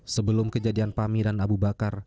sebelum kejadian pami dan abu bakar